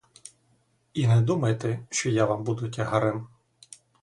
І не думайте, що я вам буду тягарем.